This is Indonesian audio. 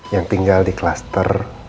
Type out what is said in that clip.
yang tinggal di klaster